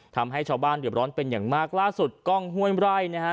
ทำให้ชาวบ้านเดือดร้อนเป็นอย่างมากล่าสุดกล้องห้วยไร่นะฮะ